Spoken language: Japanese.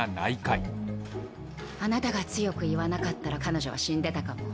あなたが強く言わなかったら彼女は死んでたかも。